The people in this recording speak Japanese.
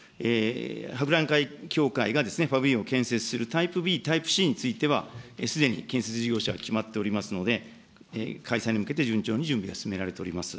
博覧会協会がパビリオンを建設する、タイプＢ、タイプＣについては、すでに建設事業者は決まっておりますので、開催に向けて、順調に準備は進められております。